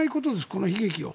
この悲劇を。